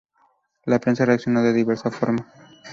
La prensa reaccionó de diversa forma.